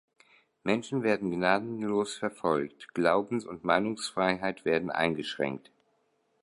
Menschen werden gnadenlos verfolgt, Glaubens- und Meinungsfreiheit werden eingeschränkt.